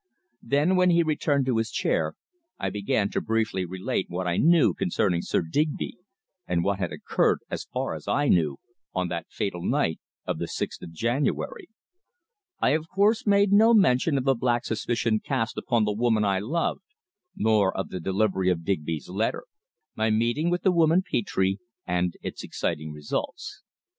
Then, when he returned to his chair, I began to briefly relate what I knew concerning Sir Digby, and what had occurred, as far as I knew, on that fatal night of the sixth of January. I, of course, made no mention of the black suspicion cast upon the woman I loved, nor of the delivery of Digby's letter, my meeting with the woman Petre and its exciting results.